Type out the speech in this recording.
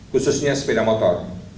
khususnya sebelah motor